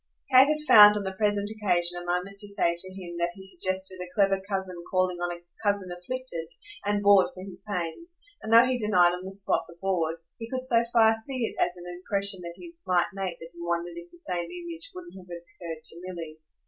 Kate had found on the present occasion a moment to say to him that he suggested a clever cousin calling on a cousin afflicted, and bored for his pains; and though he denied on the spot the "bored" he could so far see it as an impression he might make that he wondered if the same image wouldn't have occurred to Milly.